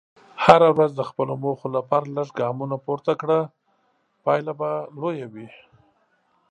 هره ورځ د خپلو موخو لپاره لږ ګامونه پورته کړه، پایله به لویه وي.